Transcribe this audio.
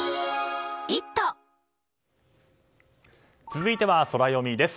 続いてはソラよみです。